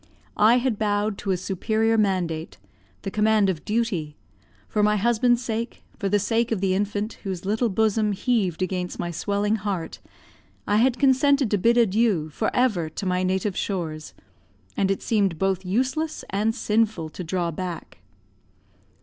I had bowed to a superior mandate, the command of duty; for my husband's sake, for the sake of the infant, whose little bosom heaved against my swelling heart, I had consented to bid adieu for ever to my native shores, and it seemed both useless and sinful to draw back.